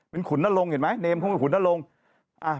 เป็นขุนนรงค์เห็นไหมเนมของขุนนรงค์